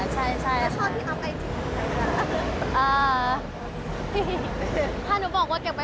พี่ณเดชน์ก็ได้ค่ะ